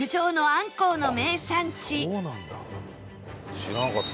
知らなかった。